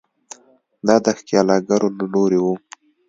دا د ښکېلاکګرو له لوري وو.